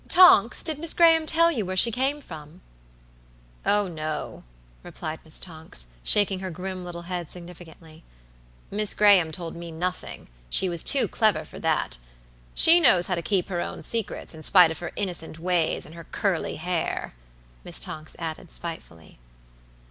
Tonks, did Miss Graham tell you where she came from?" "Oh, no!" replied Miss Tonks, shaking her grim little head significantly. "Miss Graham told me nothing; she was too clever for that. She knows how to keep her own secrets, in spite of her innocent ways and her curly hair," Miss Tonks added, spitefully.